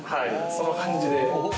その感じで。